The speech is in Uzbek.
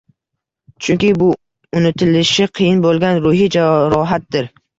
Chunki bu unutilishi qiyin bo‘lgan ruhiy jarohatdir.